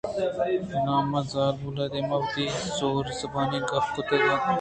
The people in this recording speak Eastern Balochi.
کلام زالبول ءِ دیم ءَ وتی زور زبانی ءِ گپ کُتگ اَت